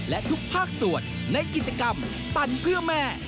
และทุกภาคส่วนในกิจกรรมปั่นเพื่อแม่